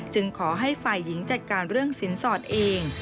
ขอให้ฝ่ายหญิงจัดการเรื่องสินสอดเอง